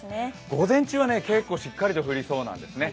午前中は結構しっかりと降りそうなんですね。